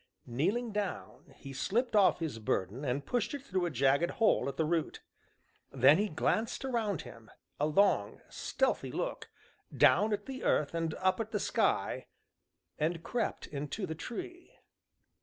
Kneeling down, he slipped off his burden and pushed it through a jagged hole at the root. Then he glanced round him, a long, stealthy look, down at the earth and up at the sky, and crept into the tree.